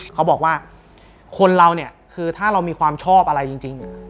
เขาบอกว่าคนเราเนี่ยคือถ้าเรามีความชอบอะไรจริง